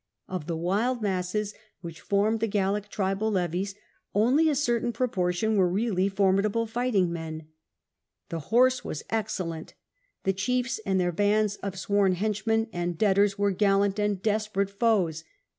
Of the wild masses which formed the Gallic tribal levies, only a certain proportion were really formidable fighting men. The horse was excellent : the chiefs and their bands of sworn hench men and '' debtors " were gallant and desperate foes.